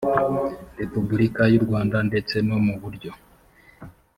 repubulika y u rwanda ndetse no mu buryo